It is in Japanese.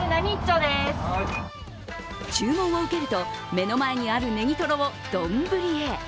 注文を受けると目の前にあるねぎとろを丼へ。